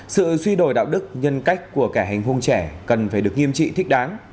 sự suy đổi đạo đức nhân cách của cả hành hung trẻ cần phải được nghiêm trị thích đáng